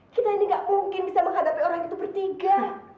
kita ini gak mungkin bisa menghadapi orang itu bertiga